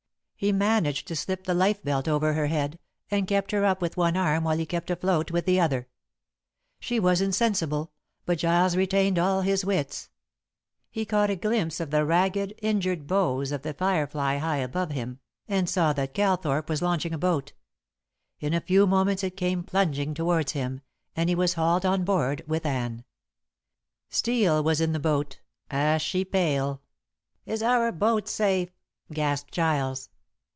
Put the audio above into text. He managed to slip the lifebelt over her head, and kept her up with one arm while he kept afloat with the other. She was insensible, but Giles retained all his wits. He caught a glimpse of the ragged, injured bows of The Firefly high above him, and saw that Calthorpe was launching a boat. In a few moments it came plunging towards him, and he was hauled on board with Anne. Steel was in the boat, ashy pale. "Is our boat safe?" gasped Giles.